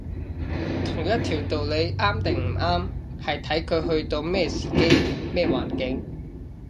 同一條道理啱定唔啱，係睇佢去到咩時機，咩環境